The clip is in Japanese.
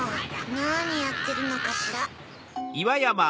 なにやってるのかしら。